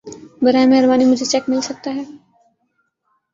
براہ مہربانی مجهے چیک مل سکتا ہے